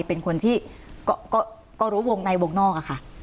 เป็นคนที่ก็รู้วงในวงนอกอะค่ะ